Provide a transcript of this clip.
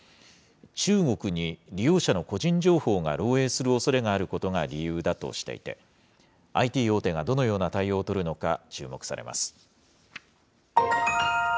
中国に利用者の個人情報が漏えいするおそれがあることが理由だとしていて、ＩＴ大手がどのような対応を取るのか、注目されます。